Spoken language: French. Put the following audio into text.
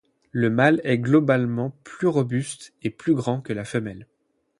Le mâle est globalement plus robuste et plus grand que la femelle.